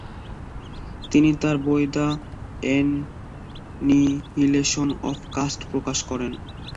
তিনি তার বই দ্য এন্নিহিলেশন অব কাস্ট প্রকাশ করেন।